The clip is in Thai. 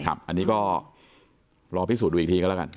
อันนี้ก็รอพิสูจนดูอีกทีก็แล้วกัน